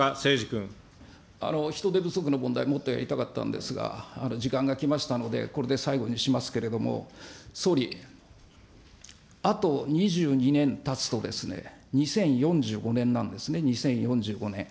人手不足の問題、もっとやっていたかったんですが、時間が来ましたので、これで最後にしますけれども、総理、あと２２年たつと、２０４５年なんですね、２０４５年。